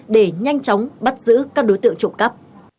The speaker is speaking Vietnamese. để nhanh chóng bắt giữ các đối tượng trộm cắp